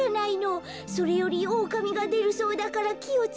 それよりオオカミがでるそうだからきをつけてね」。